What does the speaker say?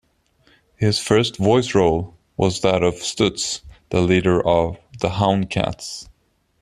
His first voice role was that of Stutz, the leader of "The Houndcats".